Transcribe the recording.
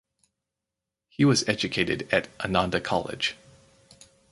He was educated at Ananda College.